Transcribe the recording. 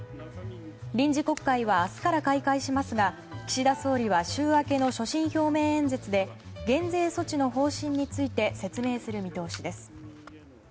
臨時国会は明日から開会しますが岸田総理は週明けの所信表明演説で減税措置の方針について説明する見通しです。